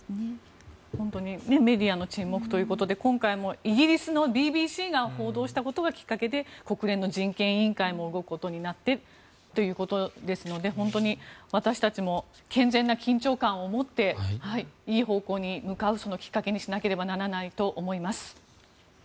本当にメディアの沈黙ということで今回もイギリスのＢＢＣが報道したことがきっかけで国連の人権委員会も動くことになってということですので本当に私たちも健全な緊張感を持っていい方向に向かうきっかけにしなければならないと思います。